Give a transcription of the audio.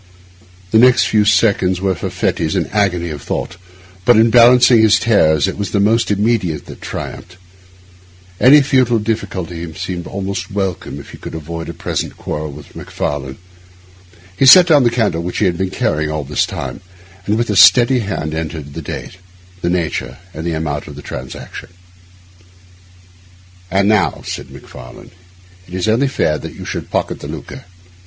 The next few seconds were for Fettes an agony of thought; but in balancing his terrors it was the most immediate that triumphed. Any future difficulty seemed almost welcome if he could avoid a present quarrel with Macfarlane. He set down the candle which he had been carrying all this time, and with a steady hand entered the date, the nature, and the amount of the transaction. 'And now,' said Macfarlane, 'it's only fair that you should pocket the lucre.